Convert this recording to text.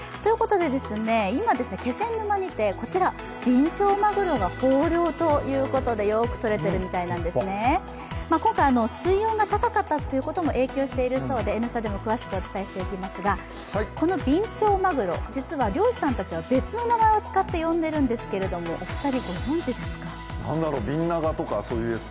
今、気仙沼にて、こちらびんちょうまぐろが豊漁ということで、よくとれているということなんですね、今回、水温が高かったことも影響しているそうで、「Ｎスタ」でも詳しくお伝えしていきますが、このビンチョウマグロ、実は漁師さんたちは別の名前を使って呼んでいるそうですがお二人、ご存じですか？